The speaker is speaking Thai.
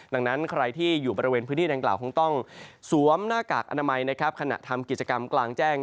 ดังนั้นใครที่อยู่บริเวณพื้นที่ดังกล่าวคงต้องสวมหน้ากากอนามัยนะครับขณะทำกิจกรรมกลางแจ้ง